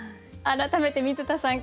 改めて水田さん